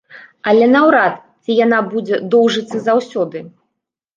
Але наўрад ці яна будзе доўжыцца заўсёды.